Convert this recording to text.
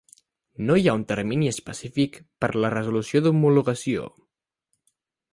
No hi ha un termini específic per a la resolució d'homologació.